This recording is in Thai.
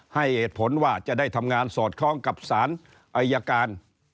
ให้เหตุผลว่าจะได้ทำงานสอดคล้องกับสารอายการ